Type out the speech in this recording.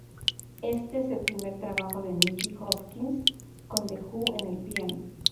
Este es el primer trabajo de Nicky Hopkins con The Who en el piano.